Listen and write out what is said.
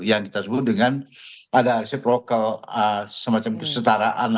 yang kita sebut dengan ada aset rokel semacam kesetaraan